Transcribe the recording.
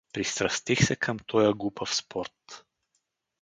Пристрастих се към тоя глупав спорт.